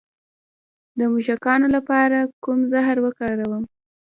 د موږکانو لپاره کوم زهر وکاروم؟